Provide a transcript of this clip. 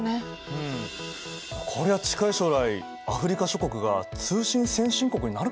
うんこりゃ近い将来アフリカ諸国が通信先進国になるかもしれないね。